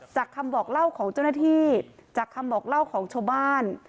คำบอกเล่าของเจ้าหน้าที่จากคำบอกเล่าของชาวบ้าน